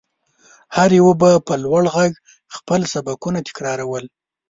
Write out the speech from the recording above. هر يوه به په لوړ غږ خپل سبقونه تکرارول.